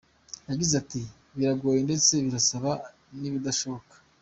Yagize ati “Biragoye ndetse birasa n’ibidashoboka.